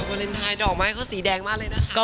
วาเลนไทยดอกไม้เขาสีแดงมากเลยนะคะ